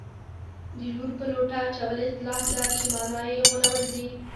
د لور په لوټه اچول اصطلاح ده چې مانا یې غولول دي